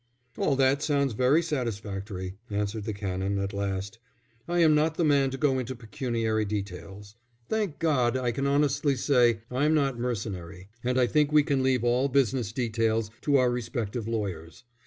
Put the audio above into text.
"All that sounds very satisfactory," answered the Canon, at last. "I am not the man to go into pecuniary details. Thank God, I can honestly say I'm not mercenary, and I think we can leave all business details to our respective lawyers.